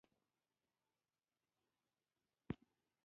پیلوټ تل چمتو وي.